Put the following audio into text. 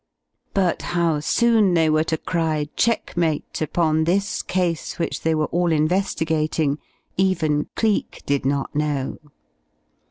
But how soon they were to cry checkmate upon this case which they were all investigating, even Cleek did not know.